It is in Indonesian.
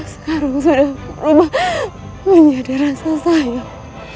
sekarang sudah berubah menjadi rasa sayang